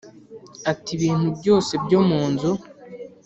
Ati ibintu byose byo mu nzu